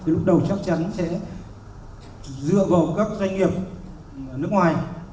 lúc đầu chắc chắn sẽ dựa vào các doanh nghiệp nước ngoài